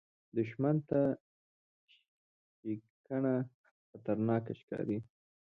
دښمن ته ښېګڼه خطرناکه ښکاري